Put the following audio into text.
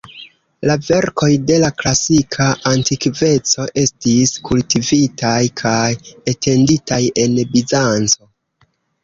La verkoj de la klasika antikveco estis kultivitaj kaj etenditaj en Bizanco.